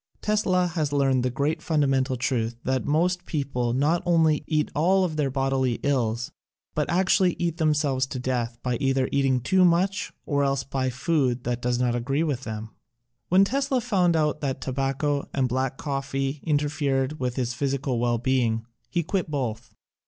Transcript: Tesla has learned the great fundamen tal truth that most people not only eat all of their bodily ills, but actually eat them selves to death by either eating too much or else by food that does not agree with them. When Tesla found out that tobacco and black coffee interfered with his physical well being, he quit both.